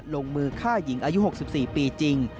ลงมือฆ่าหญิงอายุ๖๔ปีจริง